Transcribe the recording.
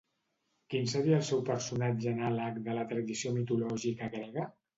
Quin seria el seu personatge anàleg de la tradició mitològica grega?